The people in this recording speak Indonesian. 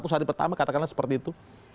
seratus hari pertama katakanlah seperti itu